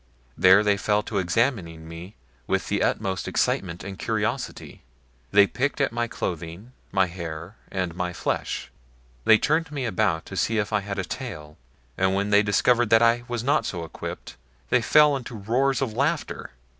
There they fell to examining me with the utmost excitement and curiosity. They picked at my clothing, my hair, and my flesh. They turned me about to see if I had a tail, and when they discovered that I was not so equipped they fell into roars of laughter.